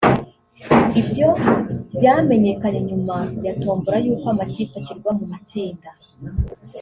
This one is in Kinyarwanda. Ibyo byamenyekanye nyuma ya tombola y’uko amakipe ashyirwa mu matsinda